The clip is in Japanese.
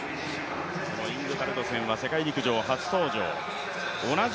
イングバルドセンは世界陸上初登場。